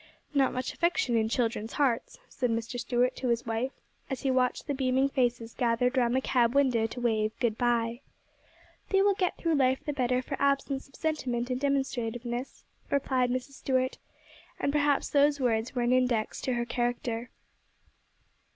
'Not much affection in children's hearts,' said Mr. Stuart to his wife, as he watched the beaming faces gathered round the cab window to wave 'good bye.' 'They will get through life the better for absence of sentiment and demonstrativeness,' replied Mrs. Stuart; and perhaps those words were an index to her character.